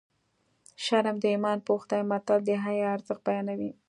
شرم د ایمان پوښ دی متل د حیا ارزښت بیانوي